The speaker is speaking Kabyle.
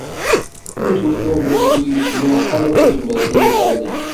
Ur tufiḍ d acu i d-yecna ḥala tazmert iɣallen.